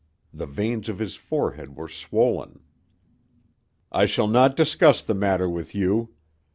The veins of his forehead were swollen. "I shall not discuss the matter with you.